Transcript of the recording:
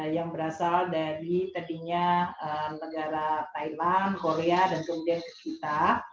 yang berasal dari tadinya negara thailand korea dan kemudian ke kita